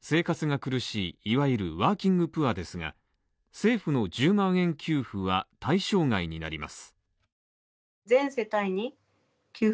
生活が苦しい、いわゆるワーキングプアですが、政府の１０万円給付は対象外になります。